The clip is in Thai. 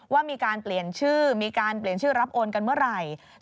ว่ามีการเปลี่ยนชื่อมีการเปลี่ยนชื่อรับโอนกันเมื่อไหร่